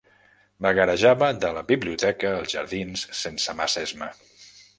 Vagarejava de la biblioteca als jardins sense massa esma.